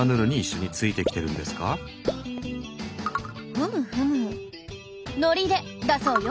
ふむふむ「ノリで」だそうよ。